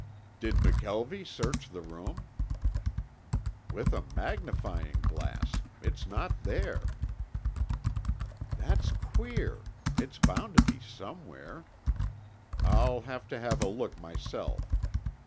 "Did McKelvie search the room?" "With a magnifying glass. It's not there." "That's queer. It's bound to be somewhere. I'll have to have a look myself.